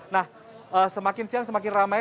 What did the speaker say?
nah semakin siang semakin ramai